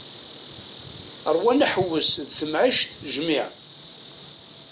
Rwan aḥewwes d temɛict jmiɛ.